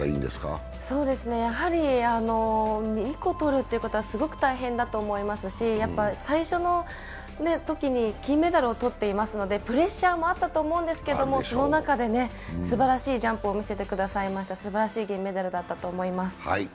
２個取ることはすごく大変だと思いますし、最初のときに金メダルを取っていますので、プレッシャーもあったと思うんですけれども、その中ですばらしいジャンプを見せてくれました、すばらしい銀メダルだったと思います。